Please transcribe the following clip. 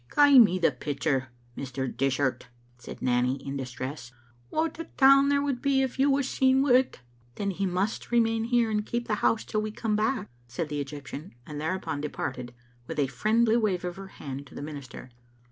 "Gie me the pitcher, Mr. Dishart," said Nanny, in distress. "What a town there would be if you was seen wi't!" " Then he must remain here and keep the house till we come back," said the Egyptian, and thereupon departed, with a friendly wave of her hand to the minister.